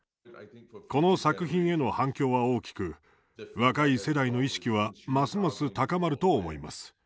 この作品への反響は大きく若い世代の意識はますます高まると思います。